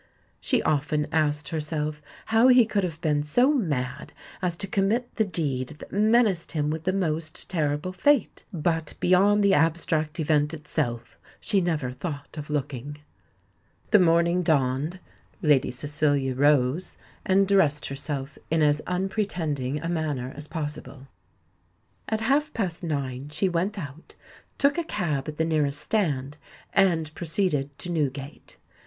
She often asked herself how he could have been so mad as to commit the deed that menaced him with the most terrible fate; but beyond the abstract event itself she never thought of looking. The morning dawned; Lady Cecilia rose, and dressed herself in as unpretending a manner as possible. At half past nine she went out, took a cab at the nearest stand, and proceeded to Newgate.